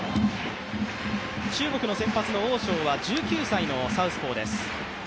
中国の先発のオウ・ショウは１９歳のサウスポーです。